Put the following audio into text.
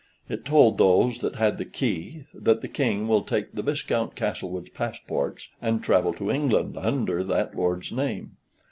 It told those that had the key, that The King will take the Viscount Castlewood's passports and travel to England under that lord's name.